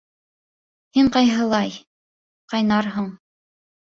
Һин ҡайһылай... ҡайнарһың...